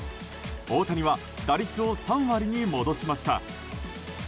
大谷は打率を３割に戻しました。